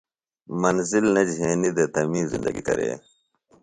منزل نہ جھینیۡ دےۡ تہ می زندگی کرے۔